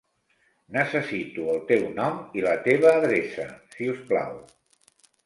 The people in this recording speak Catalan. Necessito el teu nom i la teva adreça, si us plau.